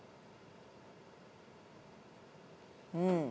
うん。